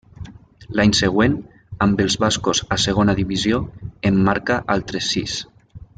L'any següent, amb els bascos a Segona Divisió, en marca altres sis.